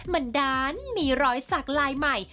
มันด้านมีรอยสักลายใหม่